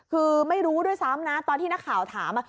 คือไม่รู้ด้วยซ้ำนะตอนที่นักข่าวถาม